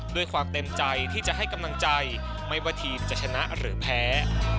ด้วยความเต็มใจที่จะให้กำลังใจไม่ว่าทีมจะชนะหรือแพ้